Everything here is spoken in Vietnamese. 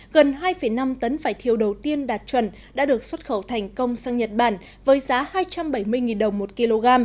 gần hai năm tấn vải thiêu đầu tiên đạt chuẩn đã được xuất khẩu thành công sang nhật bản với giá hai trăm bảy mươi đồng một kg